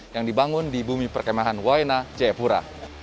yang dibangun di bumi perkemahan waina ciepura